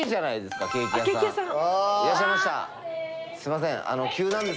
すいません。